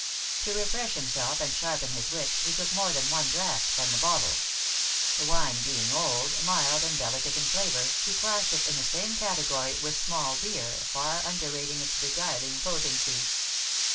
To refresh himself and sharpen his wits, he took more than one draught from the bottle. The wine being old, mild and delicate in flavor, he classed it in the same category with small beer, far underrating its beguiling potency.